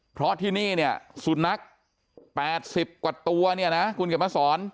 เพราะที่นี่เนี่ยสุนัข๘๐กว่าตัวเนี่ยนะคุณเขียนมาสอน